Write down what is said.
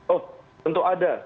oh tentu ada